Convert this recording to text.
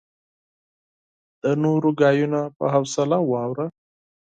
د نورو خبرې په حوصله واوره.